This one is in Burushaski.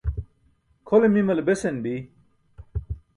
Kʰole mimale besan bi.